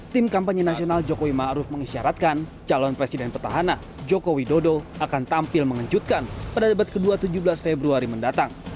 tim kampanye nasional jokowi ma'ruf mengisyaratkan calon presiden petahana jokowi dodo akan tampil mengejutkan pada debat ke dua tujuh belas februari mendatang